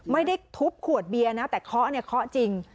ไม่ได้ทุบขวดเบียร์นะแต่เคาะเนี่ยเคาะจริง